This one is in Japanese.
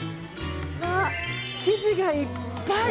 うわ、生地がいっぱい！